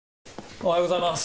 おはようございます。